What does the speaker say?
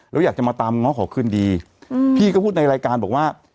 แล้วอยากจะมาตามง้อขอคืนดีอืมพี่ก็พูดในรายการบอกว่า